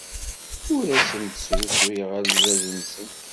Ur asent-d-srusuyeɣ alzaz-nsent.